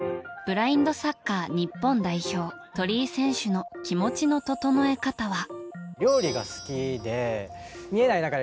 ブラインドサッカー日本代表鳥居選手の気持ちの整え方は。